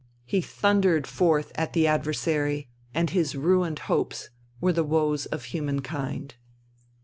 He thundered forth at the adversary, and his ruined hopes were the woes of Humankind.